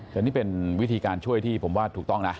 แต่นี่เป็นวิธีการช่วยที่ผมว่าถูกต้องนะ